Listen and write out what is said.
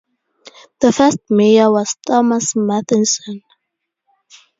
The first mayor was Thomas Matheson.